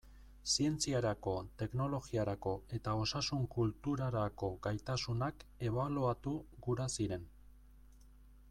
Zientziarako, teknologiarako eta osasun kulturarako gaitasunak ebaluatu gura ziren.